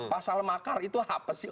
pasal makar itu apa sih